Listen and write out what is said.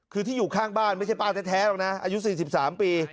คือที่อยู่ข้างบ้านไม่ใช่บ้านแท้แท้หรอกนะอายุสี่สิบสามปี